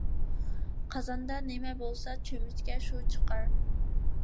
قازاندا نىمە بولسا چۆمۈچكە شۇ چىقار.